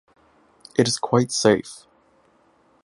It is quite safe.